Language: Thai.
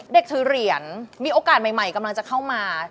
ถือเหรียญมีโอกาสใหม่กำลังจะเข้ามา